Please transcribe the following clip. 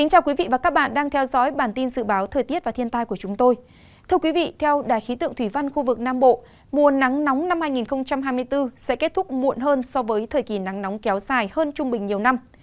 hãy đăng ký kênh để ủng hộ kênh của chúng mình nhé